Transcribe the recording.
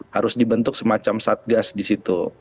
harus dibentuk semacam satgas di situ